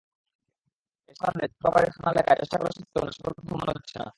এসব কারণে যাত্রাবাড়ী থানা এলাকায় চেষ্টা করা সত্ত্বেও নাশকতা থামানো যাচ্ছে না।